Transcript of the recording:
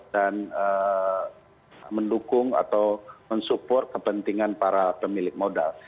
dan mendukung atau mensupport kepentingan para pemilik modal